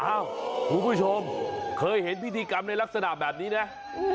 อ้าวผู้ผู้ชมเคยเห็นพฤติกรรมในลักษณะแบบนี้เนี่ย